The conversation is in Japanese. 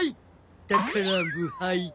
だから無敗。